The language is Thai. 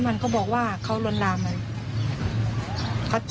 และที่สำคัญก็มีอาจารย์หญิงในอำเภอภูสิงอีกเหมือนกัน